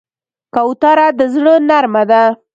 کوتره د زړه نرمه ده.